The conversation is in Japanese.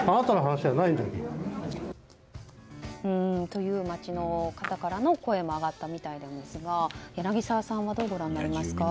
という町の方からの声も上がったようですが柳澤さんはどうご覧になりますか。